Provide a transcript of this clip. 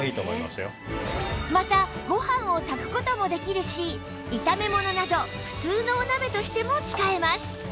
またご飯を炊く事もできるし炒め物など普通のお鍋としても使えます